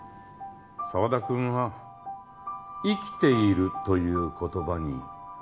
沢田君は「生きている」という言葉に